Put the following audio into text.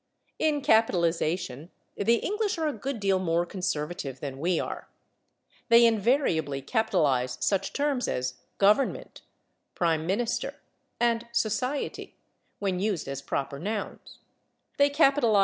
In capitalization the English are a good deal more conservative than we are. They invariably capitalize such terms as /Government/, /Prime Minister/ and /Society/, when used as proper nouns; they capitalize /Press/, /Pulpit/, /Bar/, etc.